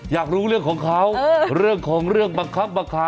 อยากรู้เรื่องของเขาเรื่องของเรื่องบังคับบังคับ